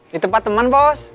di tempat teman bos